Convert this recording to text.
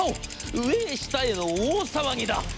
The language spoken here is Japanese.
上を下への大騒ぎだ。